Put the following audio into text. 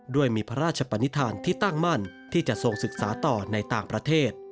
ด้วยมีพระราชปนิษฐานที่ตั้งมั่นที่จะทรงศึกษาต่อในต่างประเทศ